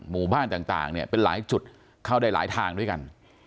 หมู่บ้านต่างเนี่ยเป็นหลายจุดเข้าได้หลายทางด้วยกัน